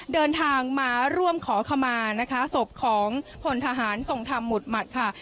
เดินทางมาร่วมขอขมานะคะศพของพลทหารทรงธรรมหมุดหมัดค่ะ